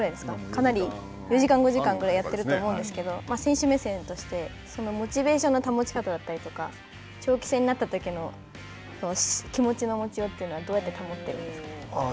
かなり、４時間５時間ぐらいやっていると思うんですけど選手目線として、モチベーションの保ち方だったりとか、長期戦になったときの気持ちの持ちようというのはどうやって保っているんですか。